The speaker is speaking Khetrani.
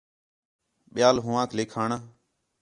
ٻِیال ہُوہانک لِکّھݨ